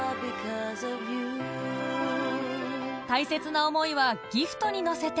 大切な思いはギフトに乗せて